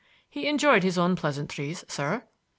He enjoyed his own pleasantries, sir."